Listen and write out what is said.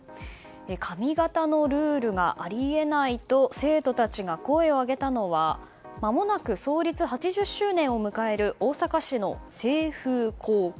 髪形のルールがあり得ないと生徒たちが声を上げたのはまもなく創立８０周年を迎える大阪市の清風高校。